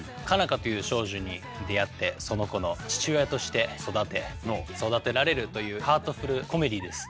花という少女に出会ってその子の父親として育て育てられるというハートフルコメディーです。